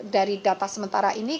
dari data sementara ini